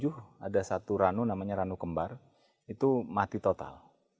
dan ada satu ranu namanya ranu kembar itu mati total